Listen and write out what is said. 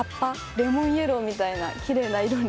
レモンイエローみたいな奇麗な色に。